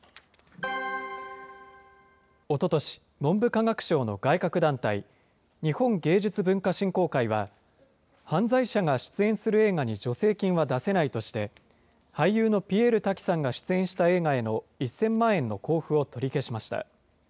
おととし、文部科学省の外郭団体、日本芸術文化振興会は、犯罪者が出演する映画に助成金は出せないとして、俳優のピエール瀧さんが出演した映画への１０００万円の交付を取り消しました。